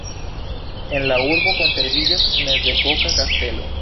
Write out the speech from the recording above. En la urbo konserviĝas mezepoka kastelo.